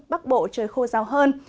bắc bộ trời khô rào hơn